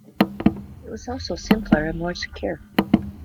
It was also simpler and more secure.